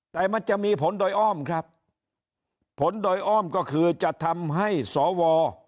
แต่มันจะมีผลโดยอ้อมครับผลโดยอ้อมก็คือจะทำให้สว